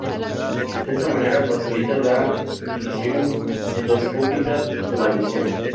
De esta manera facilita la visión endoscópica de la lesión.